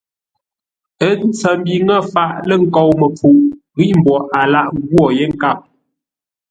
Ə́ tsəmbi ŋə́ faʼ lə̂ nkou-məpfuʼ, ghíʼ mboʼ a lâghʼ ngwô yé nkâp.